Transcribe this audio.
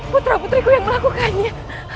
putra putriku yang melakukannya